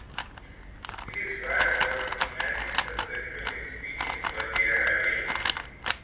It is where a person imagines a sexual experience while they are awake.